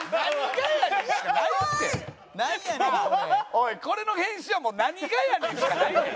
おいこれの返信は「何がやねん」しかないねん。